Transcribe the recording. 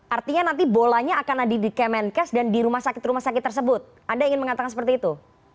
artinya nanti bolanya akan ada di kemenkes dan di rumah sakit rumah sakit tersebut anda ingin mengatakan seperti itu